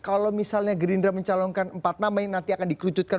kalau misalnya gerindra mencalonkan empat nama yang nanti akan dikerucutkan